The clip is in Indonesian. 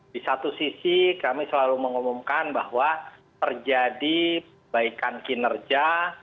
di satu sisi kami selalu mengumumkan bahwa terjadi baikan kinerja